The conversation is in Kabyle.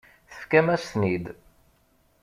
Tefkam-asen-ten-id.